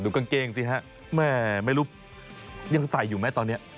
กางเกงสิฮะแม่ไม่รู้ยังใส่อยู่ไหมตอนนี้